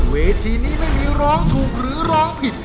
เวทีนี้ไม่มีร้องถูกหรือร้องผิด